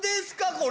これ。